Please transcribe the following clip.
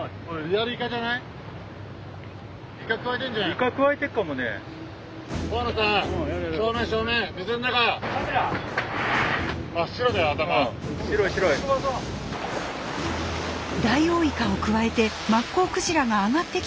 ダイオウイカをくわえてマッコウクジラが上がってきたのかもしれません。